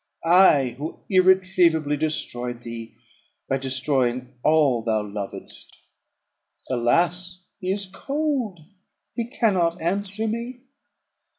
I, who irretrievably destroyed thee by destroying all thou lovedst. Alas! he is cold, he cannot answer me."